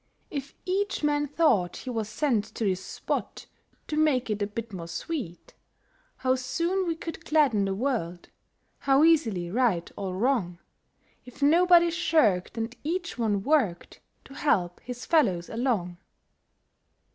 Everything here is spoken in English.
If each man thought he was sent to this spot To make it a bit more sweet, How soon we could gladden the world, How easily right all wrong, If nobody shirked, and each one worked To help his fellows along!